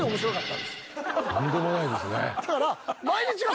とんでもないですね。